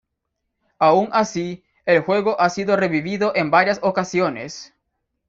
Aun así, el juego ha sido revivido en varias ocasiones.